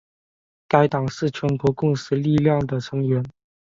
该党是全国共识力量的成员。